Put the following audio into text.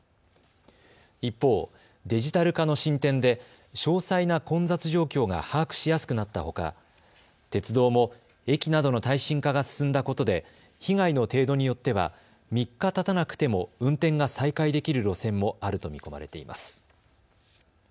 一方、デジタル化の進展で詳細な混雑状況が把握しやすくなったほか鉄道も駅などの耐震化が進んだことで被害の程度によっては３日たたなくても運転が再開できる路線もあると見込まれています。